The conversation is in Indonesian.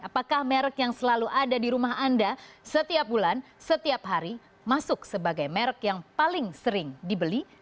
apakah merek yang selalu ada di rumah anda setiap bulan setiap hari masuk sebagai merek yang paling sering dibeli